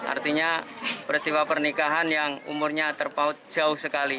artinya peristiwa pernikahan yang umurnya terpaut jauh sekali